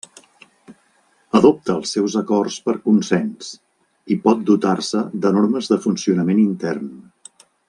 Adopta els seus acords per consens i pot dotar-se de normes de funcionament intern.